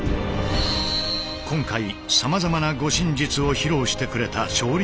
今回さまざまな護身術を披露してくれた少林寺拳法。